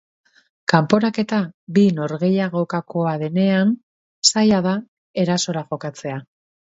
Kanporaketa bi norgehiagokakoa denean, zaila da erasora jokatzea.